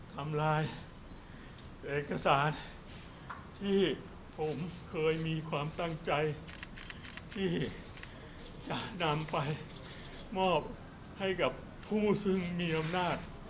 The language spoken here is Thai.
ทำลายเอกสารที่ผมเคยมีความตั้งใจที่จะนำไปมอบให้กับผู้ซึ่งมีอำนาจ